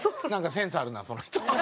センスあるなその人。